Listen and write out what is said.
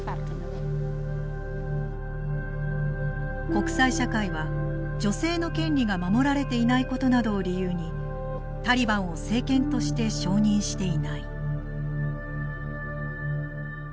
国際社会は女性の権利が守られていないことなどを理由にタリバンを政権として承認していない。